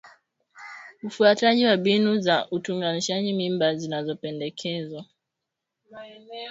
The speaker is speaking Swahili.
Ufuataji wa mbinu za utungishaji mimba zinazopendekezwa